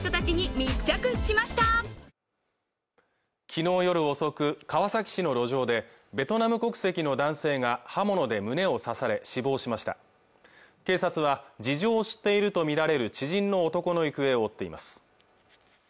昨日夜遅く川崎市の路上でベトナム国籍の男性が刃物で胸を刺され死亡しました警察は事情を知っていると見られる知人の男の行方を追っています